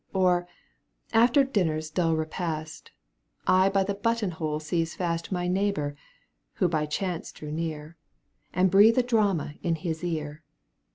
Or, after dinner's duU repast, I by the button hole seize fast My neighbour, who by chance drew near, ^ And breathe a drama in his ear.